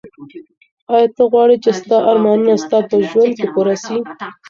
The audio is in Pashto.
ایا ته غواړې چي ستا ارمانونه ستا په ژوند کي پوره سي؟